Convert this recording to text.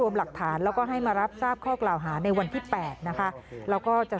โมโหค่ะค่ะโมโหแล้วก็โมโหสามีนะโมโห